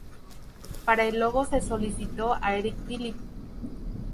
Para el logo se solicitó a Eric Philippe.